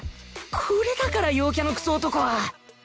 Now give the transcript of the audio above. これだから陽キャのクソ男は